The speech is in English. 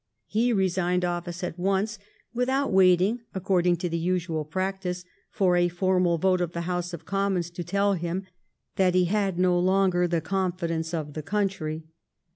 He resigned office at once, with out waiting, according to the usual practice, for a formal vote of the House of Commons to tell him that he had no longer the confidence of the country.